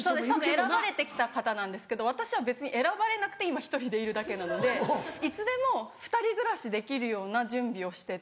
選ばれて来た方なんですけど私は別に選ばれなくて今１人でいるだけなのでいつでも２人暮らしできるような準備をしてて。